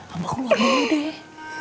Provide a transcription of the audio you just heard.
abah keluar dulu deh